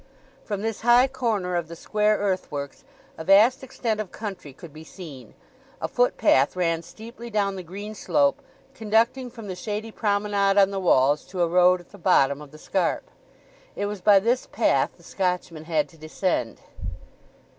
From this high corner of the square earthworks a vast extent of country could be seen. A footpath ran steeply down the green slope, conducting from the shady promenade on the walls to a road at the bottom of the scarp. It was by this path the Scotchman had to descend.